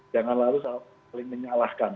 jangan lalu saling menyalahkan